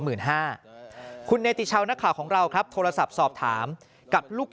คุณเนติชาวนักข่าวของเราครับโทรศัพท์สอบถามกับลูก